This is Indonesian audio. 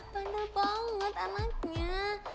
bandel banget anaknya